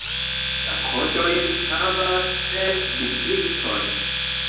La kodojn havas ses distriktoj.